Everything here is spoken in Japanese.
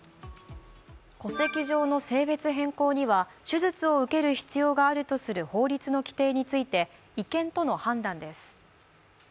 戸籍上の性別変更には手術を受ける必要がある法律の規定について、違憲との判断です。